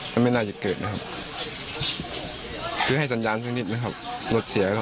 ไม่น่าจะเกิดนะครับคือให้สัญญาณสักนิดนะครับรถเสียครับ